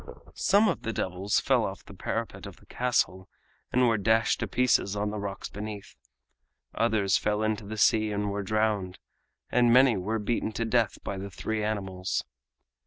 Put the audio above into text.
Some of the devils fell off the parapet of the castle and were dashed to pieces on the rocks beneath; others fell into the sea and were drowned; many were beaten to death by the three animals.